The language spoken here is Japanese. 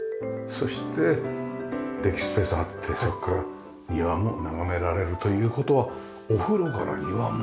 そしてデッキスペースあってそこから庭も眺められるという事はお風呂から庭も？